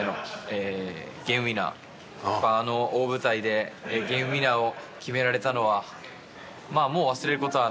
やっぱあの大舞台でゲームウィナーを決められたのは。